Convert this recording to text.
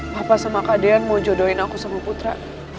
papa sama kak dean mau jodohin aku sama putra